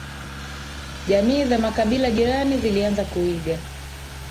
jamii za makabila jirani zilianza kuiga